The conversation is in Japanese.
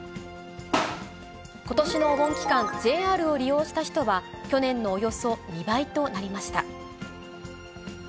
ことしのお盆期間、ＪＲを利用した人は、去年のおよそ２倍となりました。